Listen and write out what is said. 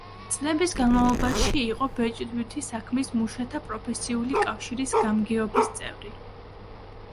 წლების განმავლობაში იყო ბეჭდვითი საქმის მუშათა პროფესიული კავშირის გამგეობის წევრი.